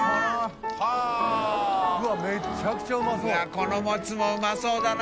このもつもうまそうだな。